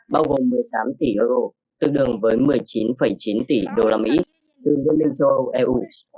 bao gồm một mươi tám tỷ euro tương đương với một mươi chín chín tỷ usd từ liên minh châu âu eu